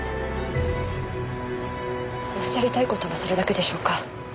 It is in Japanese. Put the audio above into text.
おっしゃりたい事はそれだけでしょうか？